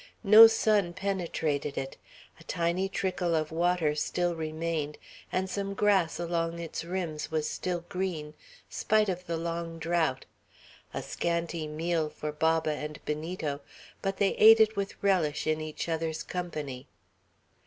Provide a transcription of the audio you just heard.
No sun penetrated it; a tiny trickle of water still remained, and some grass along its rims was still green, spite of the long drought, a scanty meal for Baba and Benito, but they ate it with relish in each other's company.